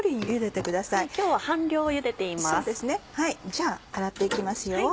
じゃあ洗って行きます。